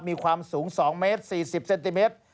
มีความสูง๒เมตร๔๐เซนติเมตร